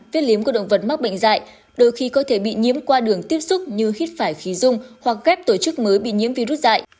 vết liếm của động vật mắc bệnh dạy đôi khi có thể bị nhiễm qua đường tiếp xúc như hít phải khí dung hoặc ghép tổ chức mới bị nhiễm virus dại